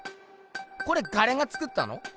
これガレがつくったの？